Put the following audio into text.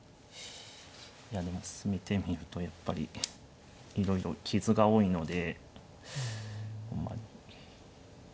いやでも進めてみるとやっぱりいろいろ傷が多いので。